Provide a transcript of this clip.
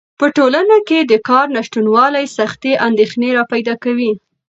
په ټولنه کې د کار نشتوالی سختې اندېښنې راپیدا کوي.